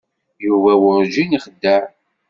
Yuba werǧin ixeddeɛ.